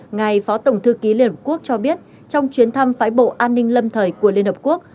ngài phó tổng thư ký liên hợp quốc cho biết trong chuyến thăm phái bộ an ninh lâm thời của liên hợp quốc